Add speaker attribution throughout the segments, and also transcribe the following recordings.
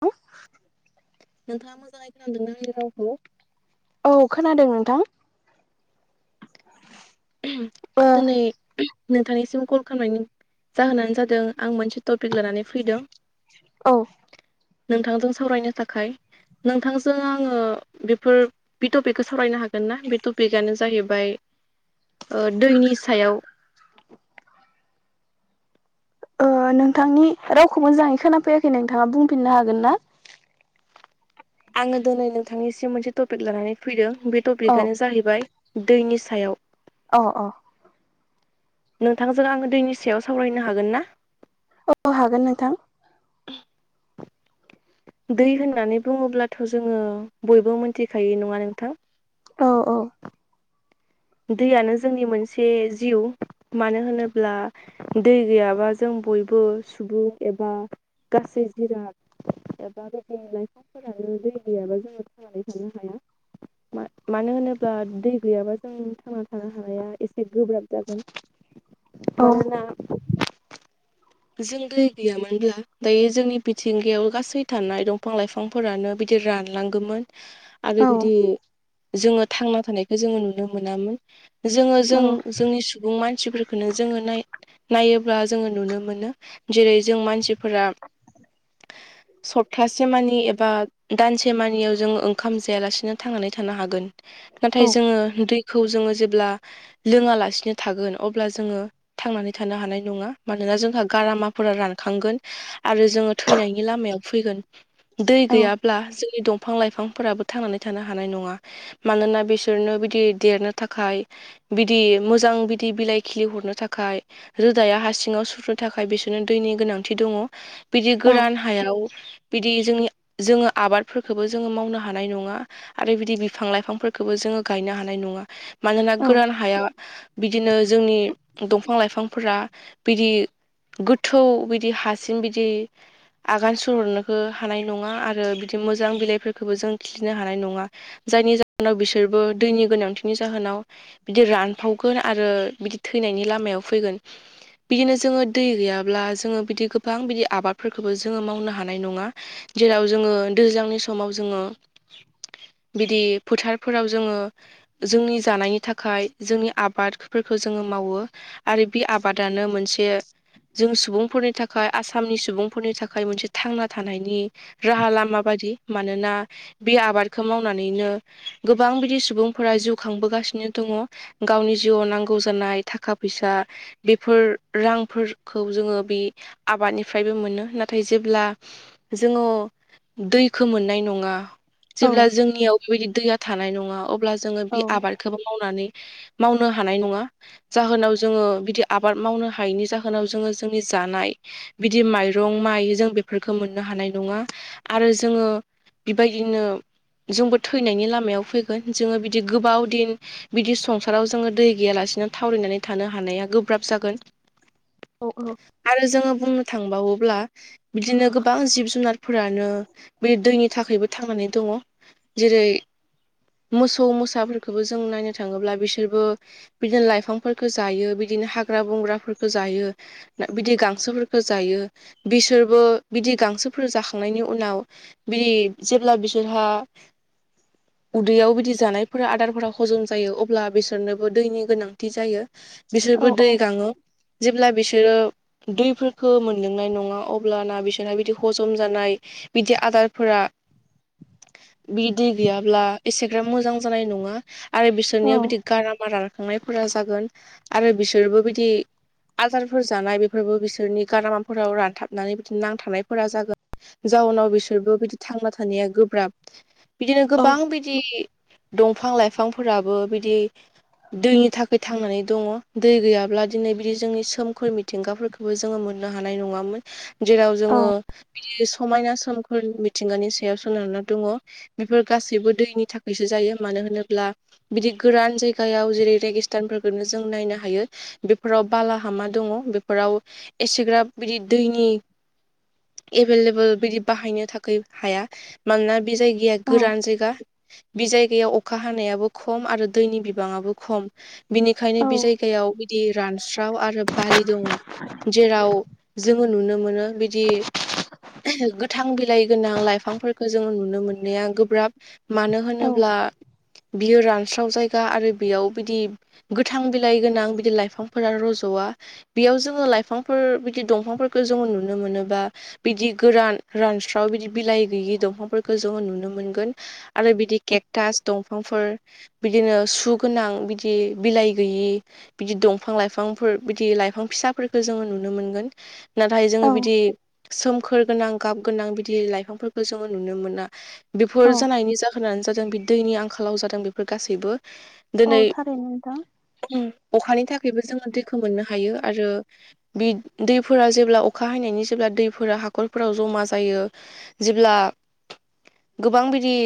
Speaker 1: औ।
Speaker 2: नोंथाङा मोजाङै खोनांदों ना आंनि रावखौ
Speaker 1: औ खोनादों नोंथां ओ
Speaker 2: दोनै नोंथांनिसिम कल खालामनायनि जाहोनानो जादों आं मोनसे टपिक लानानै फैदों
Speaker 1: औ
Speaker 2: नोंथांजों सावरायनो थाखाय नोंथांजों आङो बेफोर बे टपिकखौ सावरायनो हागोन ना बे टपिकआनो जाहैबाय दैनि सायाव
Speaker 1: नोंथांनि रावखौ मोजाङै खोनाफैयाखै नोंथाङा बुंफिननो हागोन ना
Speaker 2: आङो दिनै नोंथांनिसिम मोनसे टपिक लानानै फैदों बे
Speaker 1: औ
Speaker 2: टपिकआनो जाहैबाय दैनि सायाव
Speaker 1: अ अ
Speaker 2: नोंथांजों आङो दैनि सायाव सावरायनो हागोन ना
Speaker 1: औ हागोन नोंथां।
Speaker 2: दै होननानै बुङोब्लाथ' जोङो बयबो मोनथिखायो नङा नोंथां?
Speaker 1: औ औ
Speaker 2: दैयानो जोंनि मोनसे जिउ मानो होनोब्ला दै गैयाबा जों बयबो सुबुं एबा गासै जिराद एाबा बेदि लाइफांफोरानो दै गैयाबा जोङो थांनानै थांनो हाया। मानो होनोब्ला दै गैयाबा जों थांना थानो हानाया एसे गोब्राब जागोन
Speaker 1: औ
Speaker 2: मानोना जों दै गैयामोनब्ला दायो जोंनि बिथिंगायाव गासै थानाय दंफां लाइफां बिफांफोरानो बिदि रानलांगोमोन। आरो
Speaker 1: औ
Speaker 2: बिदि जोङो थांना थानायखौ जोङो नुनो मोनामोन। जोङो
Speaker 1: औ
Speaker 2: जों जोंनि सुबुं मानसिफोरखौनो जोङो नायोब्ला जोङो नुनो मोनो जेरै जों मानसिफोरा सप्तासे मानि एबा दानसे मानियाव जों ओंखाम जायालासिनो थांनानै थानो हागोन। नाथाय
Speaker 1: औ
Speaker 2: जोङो दैखौ जोङो जेब्ला लोङालासिनो थागोन अब्ला जोङो थांनानै थानो हानाय नङा मानोना जोंहा गारामाफोरा रानखांगोन आरो जोङो थैनायनि लामायाव फैगोन। दै
Speaker 1: औ
Speaker 2: गैयाब्ला जोंनि दंफां लाइफांफोराबो थांनानै थानो हानाय नङा। मानोना बिसोरनो बिदि देरनो थाखाय बिदि मोजां बिदि बिलाइ खिलि हरनो थाखाय रोदाया हासिङाव स नि थाखाय बिसोरनो दैनि गोनांथि दङ बिदि
Speaker 1: औ
Speaker 2: गोरान हायाव बिदि जोंनि जोङो आबादफोरखौबो जोङो मावनो हानाय नङा। आरो बिदि बिफां लाइफांफोरखौबो जोङो गायनो हानाय नङा। मानोना
Speaker 1: औ
Speaker 2: गोरान हाया बिदिनो जोंनि दंफां लाइफांफोरा बिदि गोथौ बिदि हासिं बिदि आगान सुरहरनोखो हानाय नङा आरो बिदि मोजां बिलाइफोरखौबो जों खिलिनो हानाय नङा। जायनि जाहोनाव बिसोरबो दैनि गोनांथिनि जाहोनाव बिदि रानफावगोन आरो बिदि थैनायनि लामायाव फैगोन बिदिनो जोङो दै गैयाब्ला जोङो बिदि गोबां बिदि आबादफोरखौबो जोङो मावनो हानाय नङा। जेराव जोङो दैज्लांनि समाव जोङो बिदि फोथारफोराव जोङो जोंनि जानायनि थाखाय जोंनि आबादफोरखौ जोङो मावो। आरो बे आबादानो मोनसे जों सुबुंफोरनि थाखाय आसामनि सुबुंफोरनि थाखाय मोनसे थांना थानायनि राहा लामा बायदि मानोना बे आबादखौ मावनानैनो गोबां बिदि सुबुंफोरा जिउ खांबोगासिनो दङ। गावनि जिउआव नांगौ जानाय थाखा फैसा बेफोर रां फोरखौ जोङो बे आबादनिफ्रायबो मोनो। नाथाय जेब्ला जोङो दैखो मोननाय नङा।
Speaker 1: औ
Speaker 2: जेब्ला जोंनियाव बिदि दैया थानाय नङा। अब्ला जोङो बे आबाद मावनानै मावनो हानाय नङा जाहोनाव जोङो बिदि आबाद मावनो हायैनि जाहो दखानाव जोङो जोंनि जानाय बिदि माइरं माइ जों बेफोरखौ मोननो हानाय नङा आरो जोङो बेबायदिनो जोंबो थैनायनि लामायाव फैगोन जोङो बिदि गोबाव दिन बिदि संसाराव जोङो दै गैयालासिनो थावररायनानै थानो हानाया गोब्राब जागोन।
Speaker 1: औ औ औ
Speaker 2: आरो जोङो बुंनो थांबावोब्ला बिदिनो गोबां जिब जुनारफोरानो बे दैनि थाखायबो थांनानै दङ। जेरै मोसौ मोसाफोरखौबो जों नायनो थाङोब्ला बिसोरबो बिदिनो लाइफांफोरफोरखौ जायो बिदिनो हाग्रा बंग्राफोरफोरखौ जायो। बिदि गांसोफोरखौ जायो। बिसोरबो बिदि गांसोफोर जाखांनायनि उनाव बि जेबोब्ला बिसोरहा उदैयाव बिदि जानायफोरा आदारफोरा हजम जायो अब्ला बिसोरनोबो दैनि गोनांथि जायो। बिसोरबो दै
Speaker 1: औ
Speaker 2: गाङो जेब्ला बिसोरो दैफोरखौो मोनलोंनाय नङा अब्लाना बिसोरना बिदि हजम जानाय बिदि आदारफोरा बि दै गैयाब्ला एसेग्राब मोजां जानाय नङा। आरो बिसोरनियाव बिदि गाराामारा रखांनायफोरा जागोन आरो बिसोरबो बिदि आजारफोर जानाय बेफोरबो बिसोरनि गारामाफोराव रानथाबनानै बिदिनो नांथानायफोरा जागोन। जाउनाव बिसोरबो बिदि थांना थानाया गोब्राब बिदिनो गोबां बिदि बिदि दंफां लाइफांफोराबो बिदि दैनि थाखाय थांनानै दङ दै गैयाब्ला दिनै बिदि जोंनि सोमखोर मिथिंगाफोरखौबो जोङो मोननो हानाय नङामोन जेराव जोङो समायना सोमख मिथिंगानि सायाव सोनारना दङ। बेफोर गासैबो दैनि थाखायसो जायो मानो होनोब्ला बिदि गोरान जायगायाव जेरै रेगिस्तानफोरखौोननो जों नायनो हायो बेफोराव बाला हामा दङ बेफोराव एसेग्राब बिदि दैनि एभेलेबल बिदि बाहायनो थाखाय हाया मानोना बे जायगाया गोरान जायगा बे जायगायाव अखा हानायाबो खम आरो दैनि बिबाङाबो खम बिनिखायनो बे जायगायाव बिदि रानस्राव आरो आरो बालि दङ जेराव जोङो नुनो मोनो बिदि गोथां बिलाइ गोनां लाइफांफोरखौ जोङ नुनो मोननाया गोब्राब मानो होनोब्ला बियो रानस्राव जायगा आरो बेयाव बिदि गोथां बिलाइ गोनां बिदि लाइफांफोरा रज' ज'वा बेयाव जोङो लाइफांफोर बिदि दंफांफोरखौ जोङो नुनो मोनोबा बिदि गोरान रानस्राव बिदि बिलाइ गैयि दंफांफोरखौ जोङो नुनो मोनगोन। आरो बिदि केकटास दंफांफोर बिदिनो सु गोनां बिदि बिलाइ गैयि बिदि दंफां लाइफांफोर बिदि लाइफां फिसाफोरखौो जोङो नुनो मोनगोन नाथाय जोङो बिदि सोमखोर गोनां गाब गोनां बिदि लाइफांफोरखौ जोङो नुनो मोना
Speaker 1: औ
Speaker 2: बेफोर जानायनि जा खानो जादों बे दैनि आंखालाव जादों बेफोर गासैबो
Speaker 1: औ
Speaker 2: दिनै
Speaker 1: थारैनो नोंथां
Speaker 2: अखानि थाखायबो जोङो दैखौ मोननो हायो आरो बे दैफोरा जेब्ला अखा हैनायनि जेब्ला दैफोरा हाखरफोराव जमा जायो जेब्ला गोबां बिदि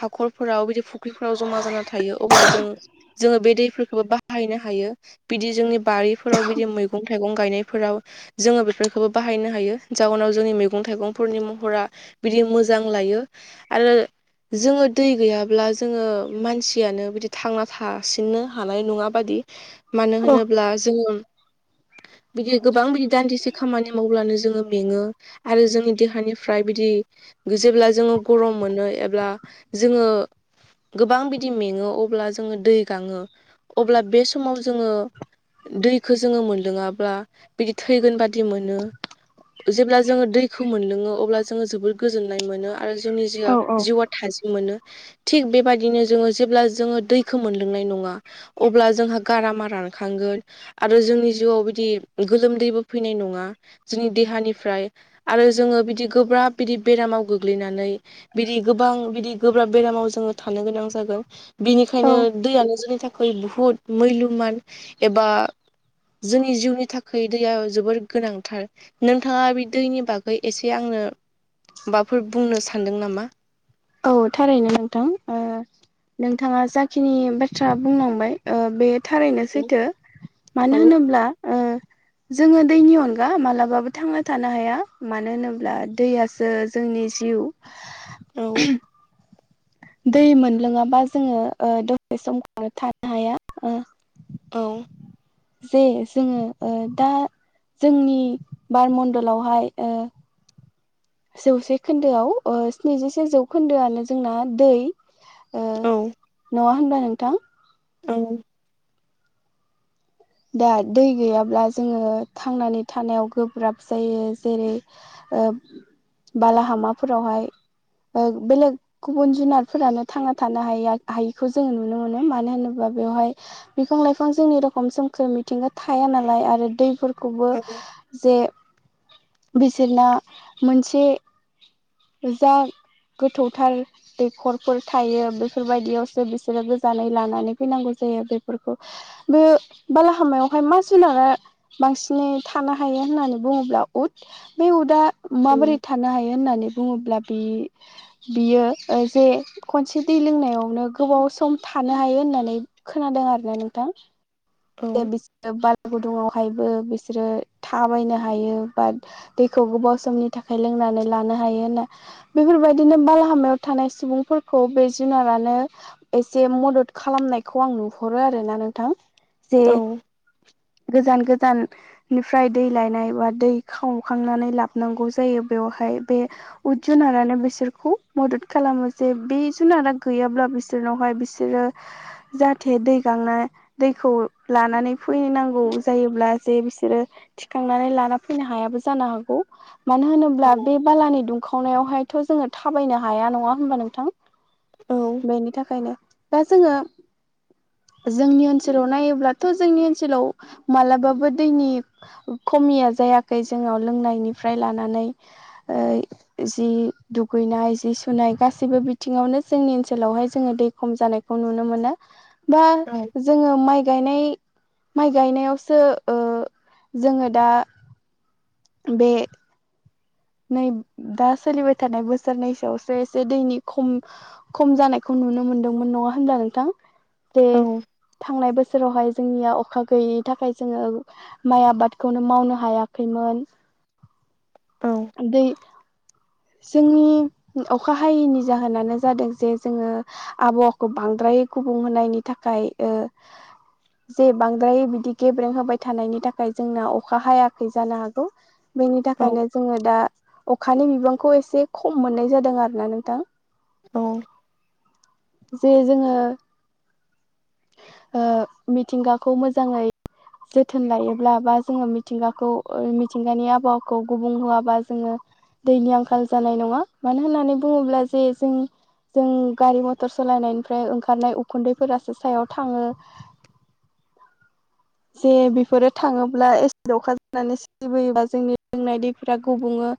Speaker 2: हाखरफोराव बिदि फुख्रिफोराव जमा जाना थायो अब्ला जों जोङो बे दैफोरखौबो बाहायनो हायो बिदि जोंनि बारिफोराव बिदि मैगं थाइगं गायनायफोराव जोङो बेफोरखौबो बाहायनो हायो जाउनाव जोंनि मैगं थाइगंफोरनि महरा बिदि मोजां लायो आरो जोङो दै गैयाब्ला जोङो मानसियानो बिदि थांना थासिननो हानाय नङाब्ला मानो
Speaker 1: औ
Speaker 2: होनोब्ला जों बिदि गोबां बिदि दान्दिसे खामानि मावब्लानो जोङो मेङो आरो जोंनि देहानिफ्राय बिदि जेब्ला जोङो गरम मोनो एब्ला जोङो गोबां बिदि मेङो अब्ला जोङो दै गाङो अब्ला बे समाव जोङो दैखौ जोङो मोनलोङाब्ला बिदि थैगोन बादि मोनो जेब्ला जोङो दैखौ मोनलोङो अब्ला जोङो जोबोद गोजोननाय मोनो आरो जोंनि जिआव
Speaker 1: औ
Speaker 2: जिउआ थाजिम मोनो थिग बेबायदिनो जोङो जेब्ला जोङो दैखौ मोनलोंनाय नङा अब्ला जोंहा गारामा रानखांगोन आरो जोंनि जिउआव बिदि गोलोमदैबो फैनाय नङा। जोंनि देहानिफ्राय आरो जोङो बिदि गोब्राब बिदि बेरामाव गोग्लैनानै बिदि गोबां बिदि गोब्राब बेरामाव जोङो थानो गोनां जागोन।
Speaker 1: औ
Speaker 2: बिनिखायनो दैयानो जोंनि थाखाय बुहुद मुल्यमान एबा जोंनि जिउनि थाखाय दैया जोबोर गोनांथार। नोंथाङा बे दैनि बागै एसे आंनो माबाफोर बुंनो सानदों नामा?
Speaker 1: औ थारैनो नोंथां ओ नोंथाङा जाखिनि बाथ्रा बुंलांबाय ओ बे थारैनो
Speaker 2: औ
Speaker 1: सैथो
Speaker 2: औ
Speaker 1: मानो होनोब्ला ओ
Speaker 2: [inaudible]
Speaker 1: जोङो दैनि अनगा मालाबाबो थांना थानो हाया मानो होनोब्ला दैयासो जोंनि जिउ
Speaker 2: [inaudible]
Speaker 1: [inaudible] दै मोनलोङाबा जोङो ओ दसे समखौनो थानो हाया ओ
Speaker 2: औ
Speaker 1: जे जोङो ओ दा जोंनि बार मणडलावहाय ओ जौसे खोन्दोआव स्निजिसे जौखोन्दोआनो जोंना दै।
Speaker 2: औ
Speaker 1: नङा होनब्ला नोंथां।
Speaker 2: औ
Speaker 1: दा दै गैयाब्ला जोङो थांनानै थानायाव गोब्राब जायो जेरै ओ बालाहामाफोरावहाय ओ बेलेग गुबुन जुनारफोरानो थांना थानो हाय हायिखौ जोङो नुनो मोनो मानो होनोबा बेवहाय बिफां लाइफां जोंनि रखोम सोमखोर मिथिंगा थाया नालाय आरो दैफोरखौबो
Speaker 2: औ
Speaker 1: जे बिसोरना मोनसे जा गोथौथार दैखरफोर थायो बेफोरबायदियावसो बिसोरो गोजानै लानानै फैनांगौ जायो बेफोरखौ बो बालाहामायावहाय मा जुनारा बांसिनै थानो हायो होननानै बुङोब्ला उद। बे उदा माबोरै थानो हायो होननानै बुङोब्ला बे बियो जे खनसे दै लोंनायावनो गोबाव सम थानो हायो होननानै खोनादों आर ना नोंथां?
Speaker 2: औ
Speaker 1: जे बिसोरो बाला गुदुुंावहायबो बिसोरो थाबायनो हायो बाट दैखौ गोबाव समनि थाखाय लोंनानै लानो हायो होनना बेफोरबायदिनो बालहामायाव थानाय सुबुंफोरखौ बे जुनारानो एसे मदद खालामनायखौ आं नुहरो आरोना नोंथां। जे गोजान गोजान निफ्राय दै लायनाय बा दै खावखांनानै लाबोनांगौ जायो बेवहाय बे जुनारानो बिसोरखौ मदद खालामो जे बे जुनारा गैयाब्ला बिसोर बिसोरनावहाय बिसोरो जाहाथे दै गांनाय दैखौ लानानै फैनांगौ जायोब्ला जे बिसोरो थिखांनानै लाना फैनो हायाबो जानो हागौ। मानो होनोब्ला बे बालानि दुंखावनायावहायथ' जोङो थाबायनो हाया नङा होनबा नोंथां?
Speaker 2: औ
Speaker 1: बेनि थाखायनो दा जोङो जोंनि ओनसोलाव नायोब्ला अब्लाथ' जोंनि ओनसोलाव माबलाबाबो दैनि खमिया जायाखै जोंनाव लोंनायनिफ्राय लानानै ओ जि दुगैनाय जि सुनाय गासैबो बिथिङावनो जोंनि ओनसोलावहाय जोङो दै खम जानाय नो मोना जोङो माइ गायनाय माइ गायनायावसो ओ जोङो दा बे नै दा सोलिबाय थानाय बोसोरनैसोआवसो एसे दैनि खम खम जानायखौ नुनो मोनदोंमोन नङा होना नोंथां जे
Speaker 2: औ
Speaker 1: थांनाय बोसोर जेरावहाय जोंनिया अखा गैयैनि थाखाय जोङो माइ आबादखौनो मावनो हायाखैमोन
Speaker 2: औ
Speaker 1: आ जोंनि अखा हायैनि जाहोनानो जादों जे जोङो आबहावाखौ बांद्राय गुबुंहायनि थाखाय
Speaker 2: [inaudible]
Speaker 1: जे बांद्राय बिदि गेब्रें होबाय थानायनि थाखाय जोंना अखा हायाखै जानो हागौ बेनि थाखायनो जोङो दा अखानि बिबांखौ एसे खम मोननाय जादों आरोोना नोंथां
Speaker 2: औ
Speaker 1: जे जोङो मिथिंगाखौ मोजाङै जोथोन लायोब्ला बा जोङो मिथिंगाखौ मिथिंगानि आबहावाखौ गुबुं होआबा जोङो दैनि आंखाल जानाय नङा मानो होननानै बुङोब्ला जे जों जों गारि मथर सालायनायनिफ्राय ओंखारनाय उखुन्दैफोरासो सायाव थाङो
Speaker 2: [inaudible]
Speaker 1: जे बेफोरो थाङोब्ला एसिड अखा जानानै सिरिबोयोबा जोंनि लोंनाय दैफोरा गुबुङो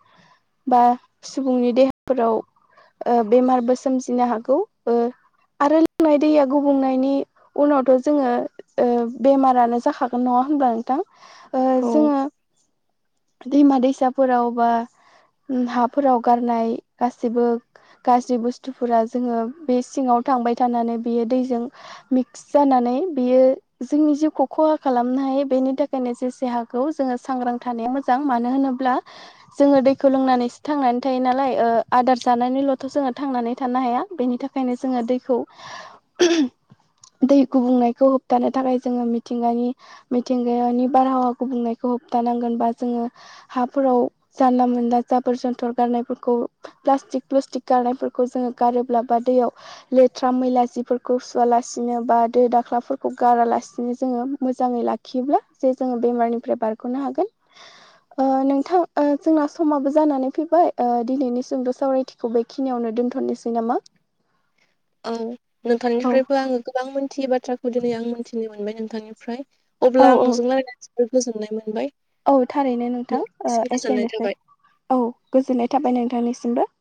Speaker 1: बा सुबुंनि देहाफोराव ओ बेमारबो सोमजिनो हागौ ओ आरो लोंनाय दैया गुबुंनायनि उनावथ' जोङो ओ बेमारानो जाखागोन नङा होनब्ला नोंथां
Speaker 2: औ
Speaker 1: जोङो दैमा दैसाफोराव बो हाफोराव गारनाय गासिबो गाज्रि बुस्थुफोरा जोङो बे सिङाव थांबाय थानानै बियो दैजों मिक्स जानानै बियो जोंनि जिउखौ खहा खालामनो हायो बेनि थाखायनो जेसे हाग खौ जोङो सांग्रां थानाया मोजां मानो होनोब्ला जोङो दैखौ लोंनानैसो थांनानै थायो नालाय आदार जानानैनिल'थ' जोङो थांनानै थानो हाया बेनि थाखाय बेखायनो जोङो दैखौ
Speaker 2: [inaudible]
Speaker 1: दै गुबुंनायखौ होबथानो थाखाय जोङो मिथिंगानि मिथिंगानि बारहावा गुबुंनायखौ होबथानांगोन बा जोङो हा फोराव जानला मोनला जाबोर जोनथर गारनायफोरखौ प्लास्टिक प्लुस्टिक गारनायफोरखौ जोङो गारोब्ला बा दैयाव लेथ्रा मैला जिफोरखौ सुवालासिनो बा दो दाख्लाफोरखौ गारालासिनो जोङो मोजाङै लाखि लायोब्ला जे जोङो बेमारनिफ्राय बारग'नो हागोन ओ नोंथां ओ जोंना समाबो जानानै फैबाय ओ दिनैनि सुंद' सावरायथिखौ बेखिनियावनो दोनथ'नोसै नामा
Speaker 2: औ
Speaker 1: औ
Speaker 2: नोंथांनिफ्रायबो आङो गोबां मोनथियै बाथ्राखौ दिनै आं मोनथिनो मोनबाय नोंथांनि फ्राय
Speaker 1: औ
Speaker 2: अब्ला आं
Speaker 1: औ
Speaker 2: नोंजों रायलायनानै जबोद गोजोननाय मोनबाय
Speaker 1: औ थारैनो नोंथां ओ
Speaker 2: नोंथांनिसिम गोजोननाय थाबाय।
Speaker 1: एसेनोसै औ गोजोननाय थाबाय नोंथांनिसिमबो।